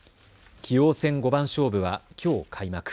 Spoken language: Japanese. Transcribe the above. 棋王戦五番勝負はきょう開幕。